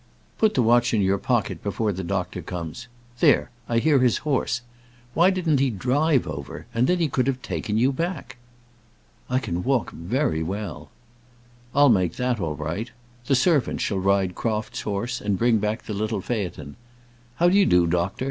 Put the watch in your pocket before the doctor comes. There; I hear his horse. Why didn't he drive over, and then he could have taken you back?" "I can walk very well." "I'll make that all right. The servant shall ride Crofts' horse, and bring back the little phaeton. How d'you do, doctor?